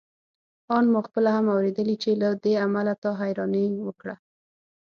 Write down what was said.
آن ما خپله هم اورېدې چې له دې امله تا حيراني وکړه.